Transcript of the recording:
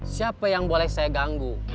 siapa yang boleh saya ganggu